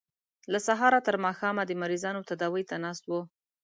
له سهاره تر ماښامه د مریضانو تداوۍ ته ناست وو.